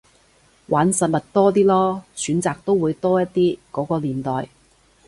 玩實物多啲囉，選擇都會多一啲，嗰個年代